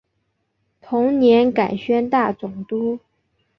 同年改宣大总督。